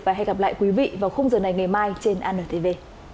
và hẹn gặp lại quý vị vào khung giờ này ngày mai trên antv